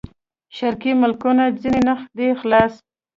شرقي ملکونه ځنې نه دي خلاص.